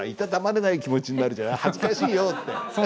「恥ずかしいよ」って。